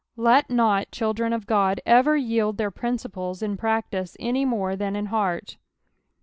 Let not children of God ever yield their principles in practice any more than in heart.